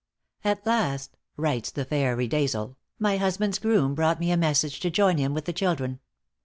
"At last," writes the fair Riedesel, "my husband's groom brought me a message to join him with the children.